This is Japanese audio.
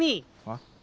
あっ？